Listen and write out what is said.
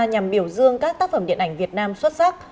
nhằm biểu dương các tác phẩm điện ảnh việt nam xuất sắc